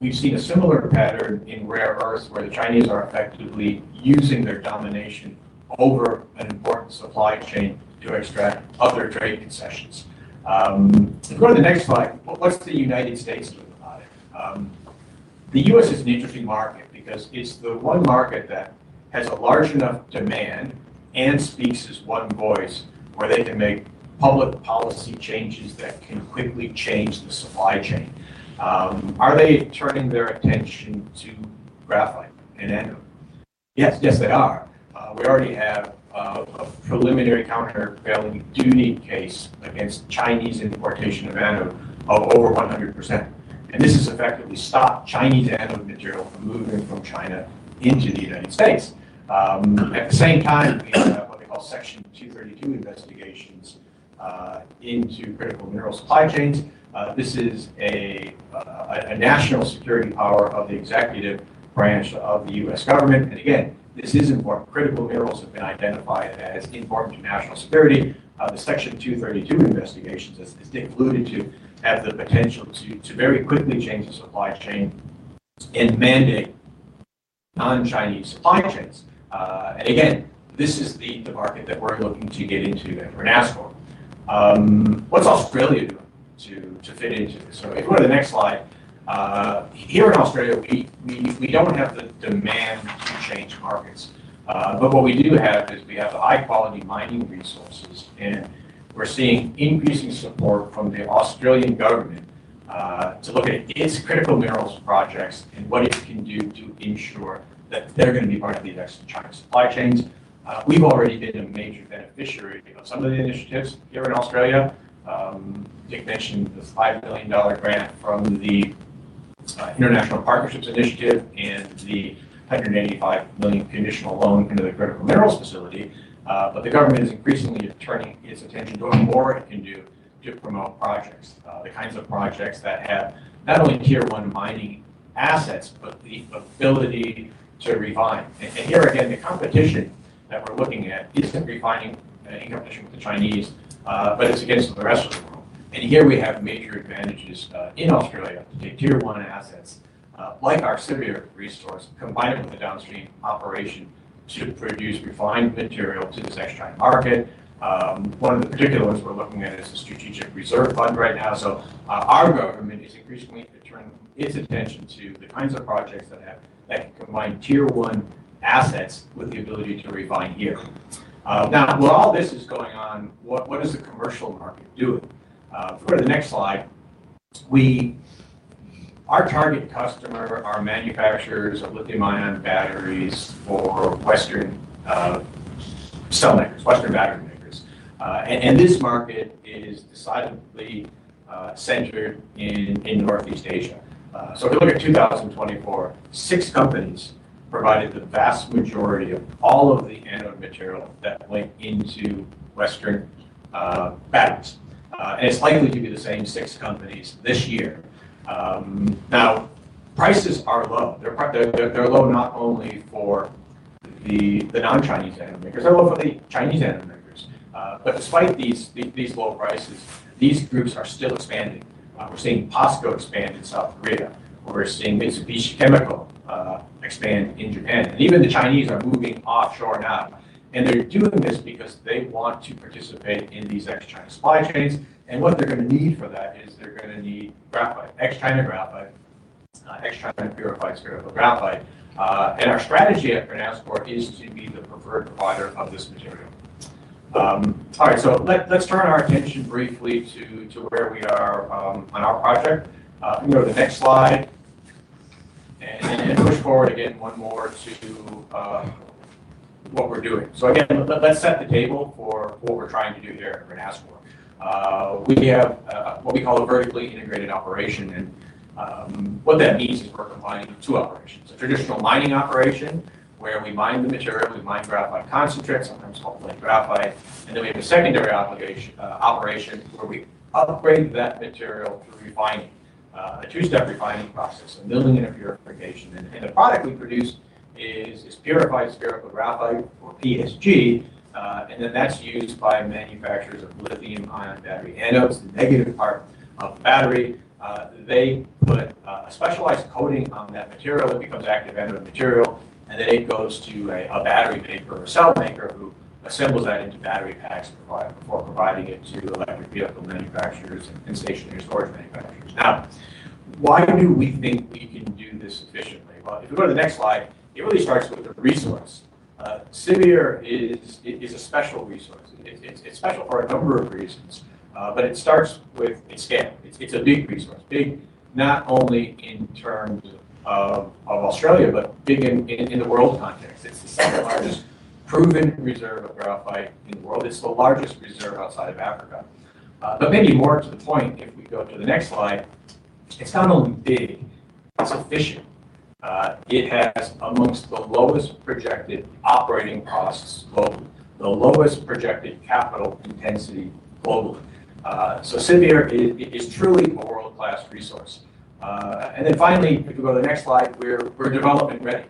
We have seen a similar pattern in rare earths where the Chinese are effectively using their domination over an important supply chain to extract other trade concessions. If we go to the next slide, what is the United States doing about it? The U.S. is an interesting market because it's the one market that has a large enough demand and speaks as one voice where they can make public policy changes that can quickly change the supply chain. Are they turning their attention to graphite and anode? Yes. Yes, they are. We already have a preliminary countervailing duty case against Chinese importation of anode of over 100%. This has effectively stopped Chinese anode material from moving from China into the United States. At the same time, we have what they call Section 232 investigations into critical mineral supply chains. This is a national security power of the executive branch of the U.S. government. This is important. Critical minerals have been identified as important to national security. The Section 232 investigations, as Dick alluded to, have the potential to very quickly change the supply chain and mandate non-Chinese supply chains. This is the market that we're looking to get into at Renascor. What's Australia doing to fit into this? If we go to the next slide, here in Australia, we do not have the demand to change markets. What we do have is we have the high-quality mining resources. We are seeing increasing support from the Australian government to look at its critical minerals projects and what it can do to ensure that they are going to be part of the next China supply chains. We have already been a major beneficiary of some of the initiatives here in Australia. Dick mentioned the 5 billion dollar grant from the International Partnerships Initiative and the 185 million conditional loan into the critical minerals facility. The government is increasingly turning its attention to what more it can do to promote projects, the kinds of projects that have not only tier-one mining assets but the ability to refine. Here again, the competition that we're looking at is not refining in competition with the Chinese, but it is against the rest of the world. Here we have major advantages in Australia to take tier-one assets like our Siviour resource, combine it with the downstream operation to produce refined material to this exchange market. One of the particular ones we're looking at is the strategic reserve fund right now. Our government is increasingly turning its attention to the kinds of projects that can combine Tier 1 assets with the ability to refine here. Now, while all this is going on, what is the commercial market doing? If we go to the next slide, our target customer are manufacturers of lithium-ion batteries for Western cell makers, Western battery makers. This market is decidedly centered in Northeast Asia. If we look at 2024, six companies provided the vast majority of all of the anode material that went into Western batteries. It is likely to be the same six companies this year. Now, prices are low. They are low not only for the non-Chinese anode makers. They are low for the Chinese anode makers. Despite these low prices, these groups are still expanding. We are seeing POSCO expand in South Korea. We are seeing Mitsubishi Chemical expand in Japan. Even the Chinese are moving offshore now. They are doing this because they want to participate in these exchange supply chains. What they're going to need for that is they're going to need graphite, exchange graphite, exchange purified spherical graphite. Our strategy at Renascor is to be the preferred provider of this material. All right. Let's turn our attention briefly to where we are on our project. If we go to the next slide and push forward again one more to what we're doing. Again, let's set the table for what we're trying to do here at Renascor. We have what we call a vertically integrated operation. What that means is we're combining two operations. A traditional mining operation where we mine the material, we mine graphite concentrate, sometimes called flake graphite. Then we have a secondary operation where we upgrade that material to refine it, a two-step refining process, a milling and a purification. The product we produce is purified spherical graphite or PSG. That is used by manufacturers of lithium-ion battery anodes, the negative part of the battery. They put a specialized coating on that material. It becomes active anode material. It goes to a battery maker or cell maker who assembles that into battery packs before providing it to electric vehicle manufacturers and stationary storage manufacturers. Now, why do we think we can do this efficiently? If we go to the next slide, it really starts with the resource. Siviour is a special resource. It is special for a number of reasons. It starts with its scale. It is a big resource, not only in terms of Australia, but big in the world context. It is the second largest proven reserve of graphite in the world. It is the largest reserve outside of Africa. Maybe more to the point, if we go to the next slide, it's not only big, it's efficient. It has amongst the lowest projected operating costs globally, the lowest projected capital intensity globally. Seviour is truly a world-class resource. Finally, if we go to the next slide, we're development ready.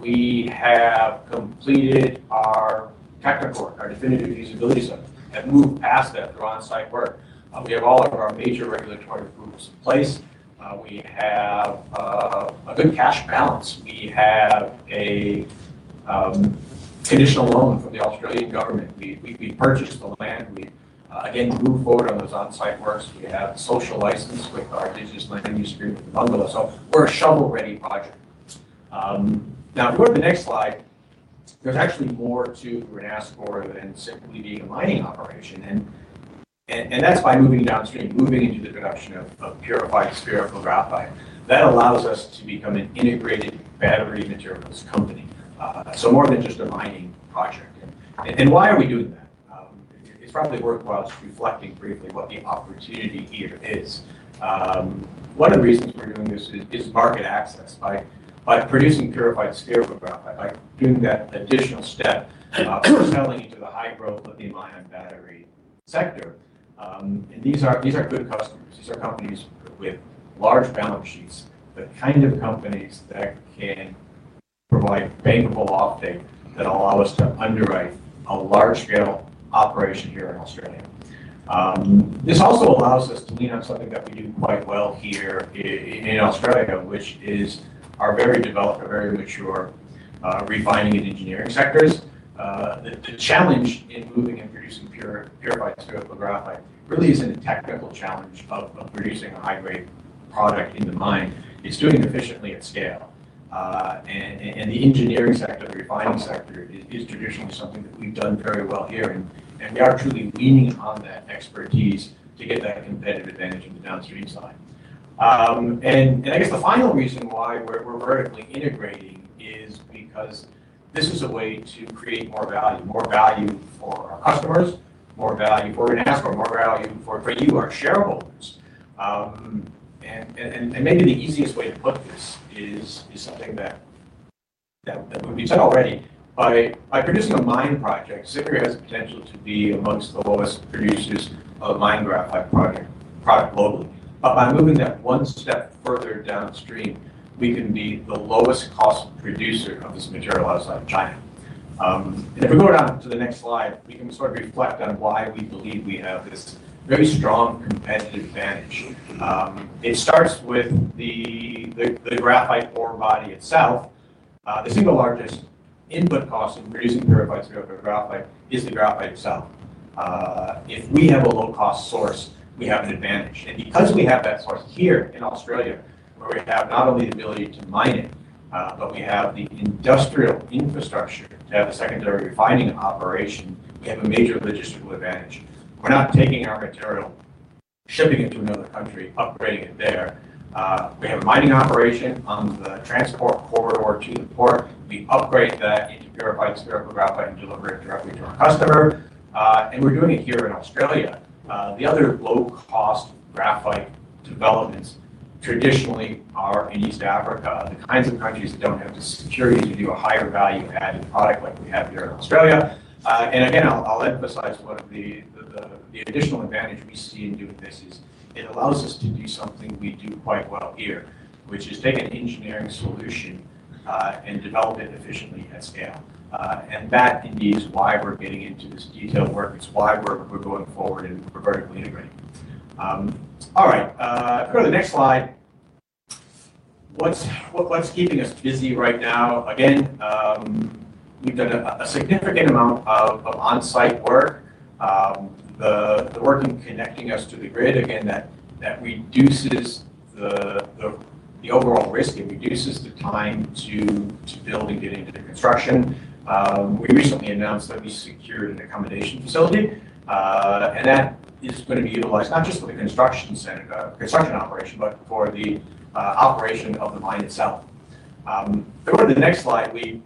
We have completed our technical work, our definitive feasibility studies. We have moved past that on-site work. We have all of our major regulatory groups in place. We have a good cash balance. We have a conditional loan from the Australian government. We purchased the land. We again moved forward on those on-site works. We have a social license with our digital industry in Bangalore. We're a shovel-ready project. If we go to the next slide, there's actually more to Renascor than simply being a mining operation. That is by moving downstream, moving into the production of purified spherical graphite. That allows us to become an integrated battery materials company, so more than just a mining project. Why are we doing that? It is probably worthwhile just reflecting briefly what the opportunity here is. One of the reasons we are doing this is market access by producing purified spherical graphite, by doing that additional step of selling into the high-growth lithium-ion battery sector. These are good customers. These are companies with large balance sheets, the kind of companies that can provide bankable offtake that allow us to underwrite a large-scale operation here in Australia. This also allows us to lean on something that we do quite well here in Australia, which is our very developed, very mature refining and engineering sectors. The challenge in moving and producing purified spherical graphite really is not a technical challenge of producing a high-grade product in the mine. It is doing it efficiently at scale. The engineering sector, the refining sector, is traditionally something that we have done very well here. We are truly leaning on that expertise to get that competitive advantage on the downstream side. I guess the final reason why we are vertically integrating is because this is a way to create more value, more value for our customers, more value for Renascor, more value for you, our shareholders. Maybe the easiest way to put this is something that we have said already. By producing a mine project, Siviour has the potential to be among the lowest producers of mine graphite product globally. By moving that one step further downstream, we can be the lowest-cost producer of this material outside of China. If we go down to the next slide, we can sort of reflect on why we believe we have this very strong competitive advantage. It starts with the graphite ore body itself. The single largest input cost in producing purified spherical graphite is the graphite itself. If we have a low-cost source, we have an advantage because we have that source here in Australia, where we have not only the ability to mine it, but we have the industrial infrastructure to have a secondary refining operation, we have a major logistical advantage. We're not taking our material, shipping it to another country, upgrading it there. We have a mining operation on the transport corridor to the port. We upgrade that into purified spherical graphite and deliver it directly to our customer. We're doing it here in Australia. The other low-cost graphite developments traditionally are in East Africa, the kinds of countries that do not have the security to do a higher value-added product like we have here in Australia. I will emphasize what the additional advantage we see in doing this is it allows us to do something we do quite well here, which is take an engineering solution and develop it efficiently at scale. That, indeed, is why we are getting into this detailed work. It is why we are going forward and we are vertically integrating. All right, go to the next slide. What is keeping us busy right now? We have done a significant amount of onsite work. The work in connecting us to the grid reduces the overall risk and reduces the time to build and get into construction. We recently announced that we secured an accommodation facility. That is going to be utilized not just for the construction operation, but for the operation of the mine itself. If we go to the next slide, we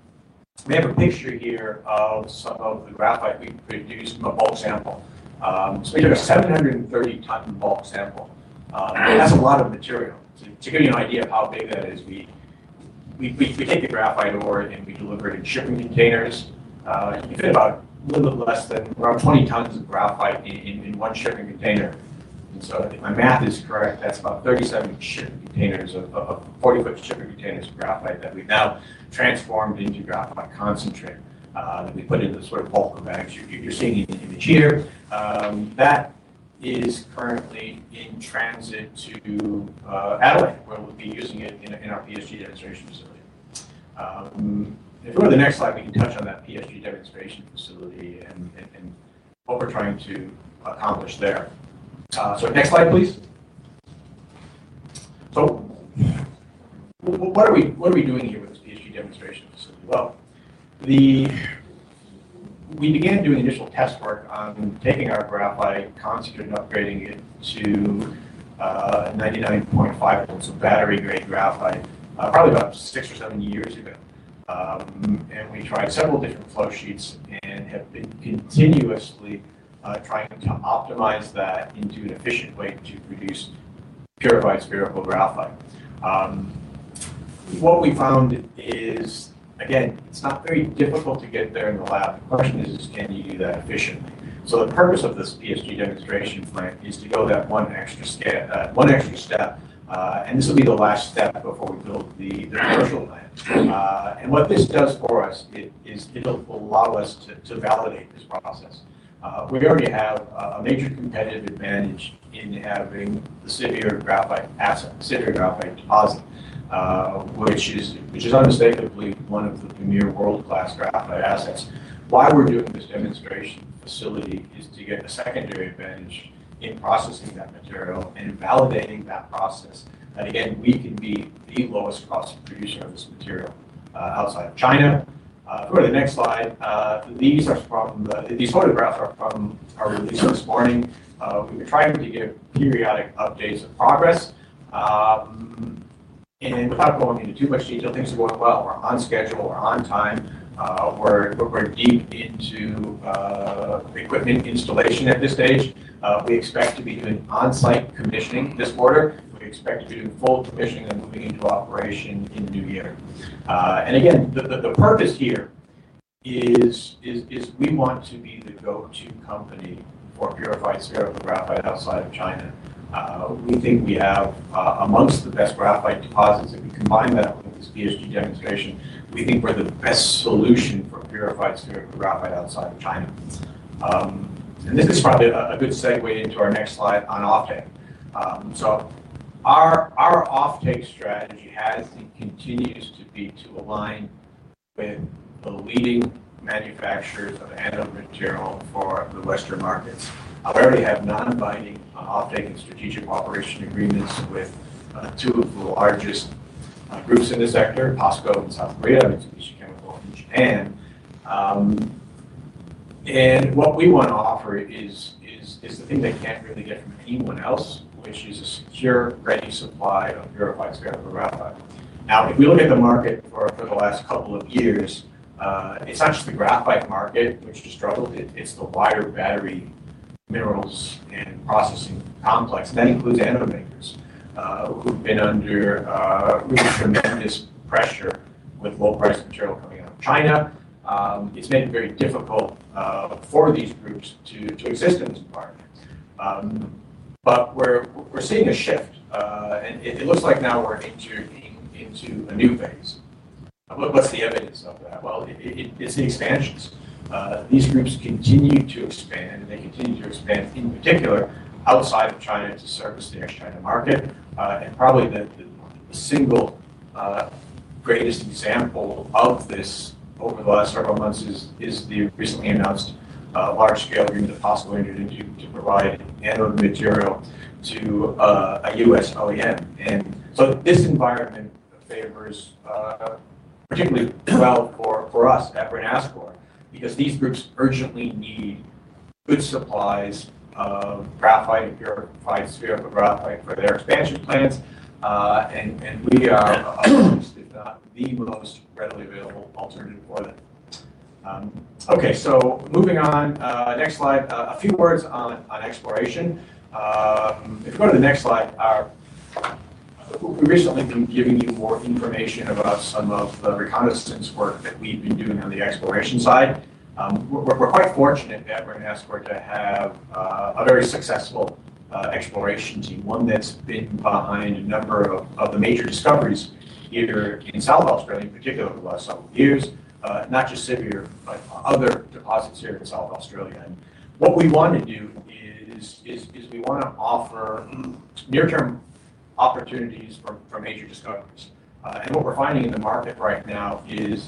have a picture here of some of the graphite we have produced from a bulk sample. We took a 730-ton bulk sample. It has a lot of material. To give you an idea of how big that is, we take the graphite ore and we deliver it in shipping containers. You can fit a little bit less than around 20 tons of graphite in one shipping container. If my math is correct, that is about 37 shipping containers, 40-foot shipping containers of graphite that we have now transformed into graphite concentrate that we put into the sort of bulk of that. You are seeing the image here. That is currently in transit to Adelaide, where we'll be using it in our PSG demonstration facility. If we go to the next slide, we can touch on that PSG demonstration facility and what we're trying to accomplish there. Next slide, please. What are we doing here with this PSG demonstration facility? We began doing initial test work on taking our graphite concentrate and upgrading it to 99.5% battery-grade graphite probably about six or seven years ago. We tried several different flow sheets and have been continuously trying to optimize that into an efficient way to produce purified spherical graphite. What we found is, again, it's not very difficult to get there in the lab. The question is, can you do that efficiently? The purpose of this PSG demonstration plant is to go that one extra step. This will be the last step before we build the commercial plant. What this does for us is it'll allow us to validate this process. We already have a major competitive advantage in having the Siviour Graphite Deposit, which is unmistakably one of the premier world-class graphite assets. Why we're doing this demonstration facility is to get a secondary advantage in processing that material and validating that process. Again, we can be the lowest-cost producer of this material outside of China. If we go to the next slide, these photographs are from our release this morning. We've been trying to give periodic updates of progress. Without going into too much detail, things are going well. We're on schedule. We're on time. We're deep into equipment installation at this stage. We expect to be doing onsite commissioning this quarter. We expect to be doing full commissioning and moving into operation in the new year. The purpose here is we want to be the go-to company for purified spherical graphite outside of China. We think we have amongst the best graphite deposits. If we combine that with this PSG demonstration, we think we're the best solution for purified spherical graphite outside of China. This is probably a good segue into our next slide on offtake. Our offtake strategy has and continues to be to align with the leading manufacturers of anode material for the Western markets. We already have non-binding offtake and strategic operation agreements with two of the largest groups in the sector, POSCO in South Korea and Mitsubishi Chemical in Japan. What we want to offer is the thing they can't really get from anyone else, which is a secure, ready supply of purified spherical graphite. If we look at the market for the last couple of years, it's not just the graphite market, which has struggled. It's the wider battery minerals and processing complex. That includes anode makers who've been under really tremendous pressure with low-priced material coming out of China. It's made it very difficult for these groups to exist in this environment. We're seeing a shift. It looks like now we're entering into a new phase. What's the evidence of that? It's the expansions. These groups continue to expand. They continue to expand, in particular, outside of China to service the ex-China market. Probably the single greatest example of this over the last several months is the recently announced large-scale agreement that POSCO entered into to provide anode material to a U.S. OEM. This environment favors particularly well for us at Renascor because these groups urgently need good supplies of graphite and purified spherical graphite for their expansion plans. We are the most readily available alternative for them. Okay. Moving on. Next slide. A few words on exploration. If we go to the next slide, we recently have been giving you more information about some of the reconnaissance work that we've been doing on the exploration side. We're quite fortunate at Renascor to have a very successful exploration team, one that's been behind a number of the major discoveries here in South Australia, in particular, over the last several years, not just Siviour, but other deposits here in South Australia. What we want to do is we want to offer near-term opportunities for major discoveries. What we're finding in the market right now is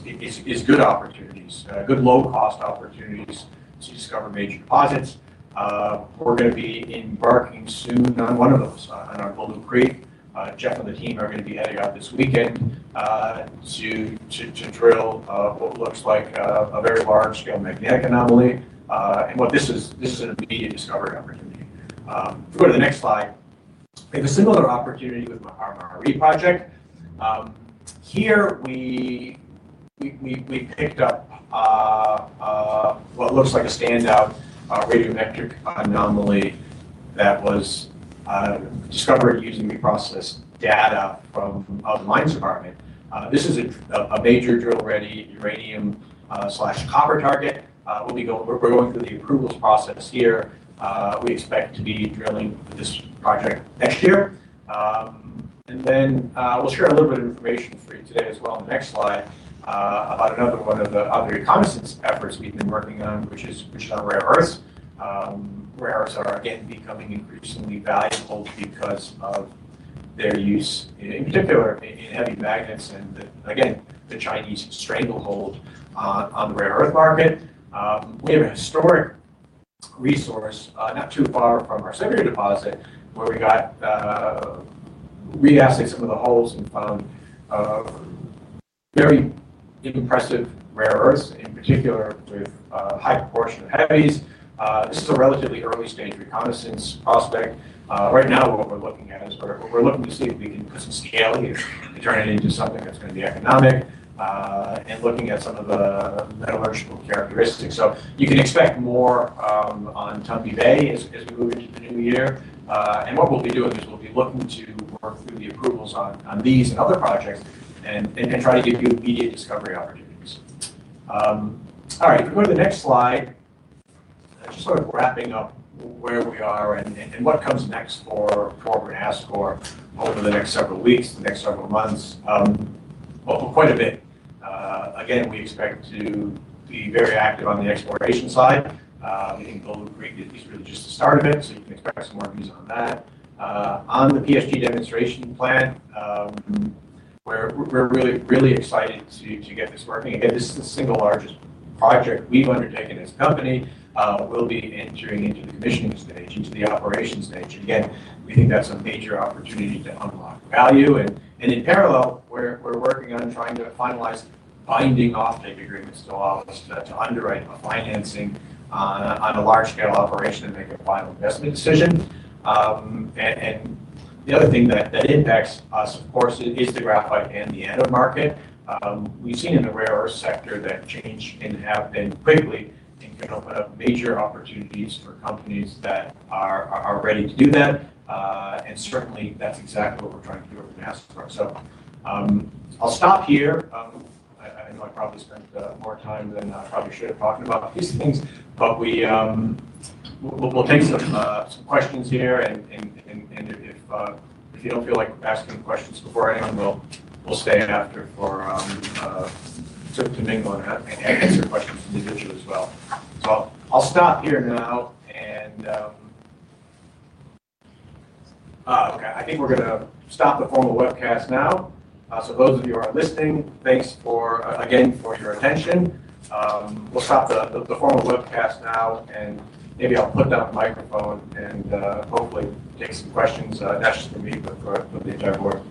good opportunities, good low-cost opportunities to discover major deposits. We're going to be embarking soon on one of those on our Blue Creek. Jeff and the team are going to be heading out this weekend to drill what looks like a very large-scale magnetic anomaly. This is an immediate discovery opportunity. If we go to the next slide, we have a similar opportunity with our R&RE project. Here, we picked up what looks like a standout radiometric anomaly that was discovered using the process data from the mines department. This is a major drill-ready uranium/copper target. We are going through the approvals process here. We expect to be drilling this project next year. We will share a little bit of information for you today as well on the next slide about another one of the other reconnaissance efforts we have been working on, which is on rare earths. Rare earths are, again, becoming increasingly valuable because of their use, in particular, in heavy magnets and, again, the Chinese stranglehold on the rare earth market. We have a historic resource not too far from our Siviour deposit where we got reassayed some of the holes and found very impressive rare earths, in particular, with a high proportion of heavies. This is a relatively early-stage reconnaissance prospect. Right now, what we're looking at is we're looking to see if we can put some scaling and turn it into something that's going to be economic and looking at some of the metallurgical characteristics. You can expect more on Tumby Bay as we move into the new year. What we'll be doing is we'll be looking to work through the approvals on these and other projects and try to give you immediate discovery opportunities. All right. If we go to the next slide, just sort of wrapping up where we are and what comes next for Renascor over the next several weeks, the next several months. For quite a bit. Again, we expect to be very active on the exploration side. I think Blue Creek is really just the start of it. You can expect some more news on that. On the PSG demonstration plant, we're really, really excited to get this working. Again, this is the single largest project we've undertaken as a company. We'll be entering into the commissioning stage, into the operation stage. We think that's a major opportunity to unlock value. In parallel, we're working on trying to finalize binding offtake agreements to allow us to underwrite a financing on a large-scale operation and make a final investment decision. The other thing that impacts us, of course, is the graphite and the anode market. We've seen in the rare earth sector that change can happen quickly and can open up major opportunities for companies that are ready to do that. Certainly, that's exactly what we're trying to do at Renascor. I'll stop here. I know I probably spent more time than I probably should have talked about these things, but we'll take some questions here. If you don't feel like asking questions beforehand, we'll stay [after to mingle and answer questions individually as well]. I'll stop here now. I think we're going to stop the formal webcast now. Those of you who are listening, thanks again for your attention. We'll stop the formal webcast now. Maybe I'll put down the microphone and hopefully take some questions, not just from me, but from the entire board.